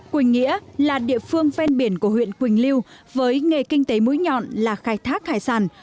quỳnh nghĩa là địa phương ven biển của huyện quỳnh lưu với nghề kinh tế mũi nhọn là khai thác hải sản